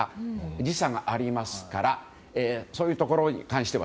時差がありますからそういうところに関しては